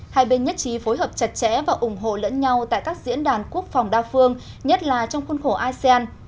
hai bên nhất trí phối hợp chặt chẽ và ủng hộ lẫn nhau tại các diễn đàn quốc phòng đa phương nhất là trong khuôn khổ asean